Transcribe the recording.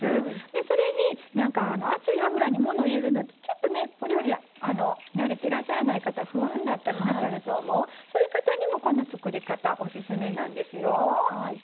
それに熱い油に物入れるのってちょっとお料理慣れてらっしゃらない方不安だと思うそういう方にもこういう作り方オススメなんですよ。